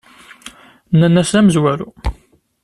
Nnan-as: D amezwaru.